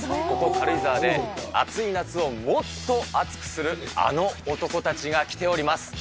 軽井沢で暑い夏をもっとあつくするあの男たちが来ております。